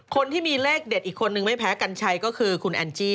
คนที่มีเลขเด็ดอีกคนนึงไม่แพ้กัญชัยก็คือคุณแอนจี้